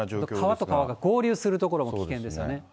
川と川が合流する所も危険ですよね。